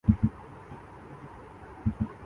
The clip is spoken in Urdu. پنجاب میں پاکستان کے ساٹھ فی صد افراد آباد ہیں۔